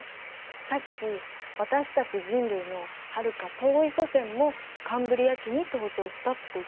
さっき「私たち人類のはるか遠い祖先もカンブリア紀に登場した」って言ってたよね？